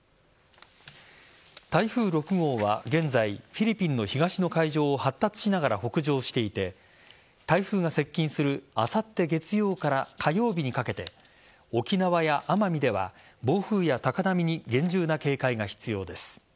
台風６号は現在フィリピンの東の海上を発達しながら北上していて台風が接近するあさって月曜から火曜日にかけて沖縄や奄美では、暴風や高波に厳重な警戒が必要です。